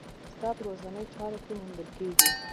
ستا په ورځنيو چارو کې موندل کېږي.